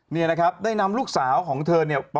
นี่นะครับได้นำลูกสาวของเธอเนี่ย